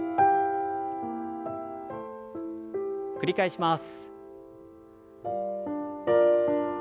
繰り返します。